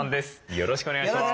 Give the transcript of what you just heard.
よろしくお願いします。